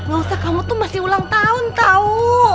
gak usah kamu tuh masih ulang tahun tahu